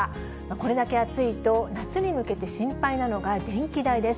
これだけ暑いと、夏に向けて心配なのが、電気代です。